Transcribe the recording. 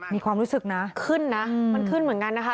มีความรู้สึกนะขึ้นนะมันขึ้นเหมือนกันนะคะ